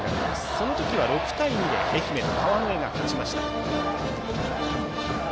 その時は６対２で愛媛の川之江が勝ちました。